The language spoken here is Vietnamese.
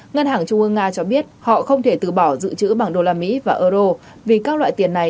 ngân hàng trung ương nga cho biết họ không thể từ bỏ dự trữ bằng đô la mỹ và euro vì các loại tiền này